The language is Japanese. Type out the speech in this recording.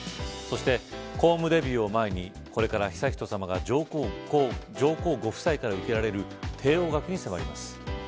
そして、公務デビューを前にこれから悠仁さまが上皇ご夫妻から受けられる帝王学に迫ります。